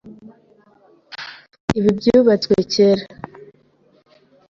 Ibi byubatswe kera.